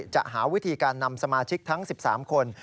จะหาวิธีการนำสมาชิกทั้ง๑๓คน